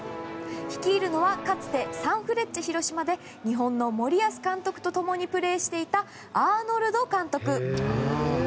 率いるのはかつて、サンフレッチェ広島で日本の森保監督と共にプレーしていたアーノルド監督。